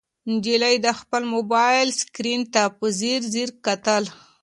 نجلۍ د خپل موبایل سکرین ته په ځیر ځیر کتل.